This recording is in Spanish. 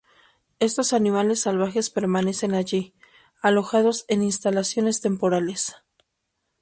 Estos animales salvajes permanecen allí, alojados en instalaciones temporales.